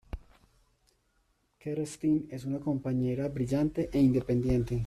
Kerstin es una compañera brillante e independiente.